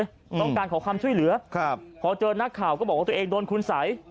ต้องการขอความช่วยเหลือครับพอเจอนักข่าวก็บอกว่าตัวเองโดนคุณสัย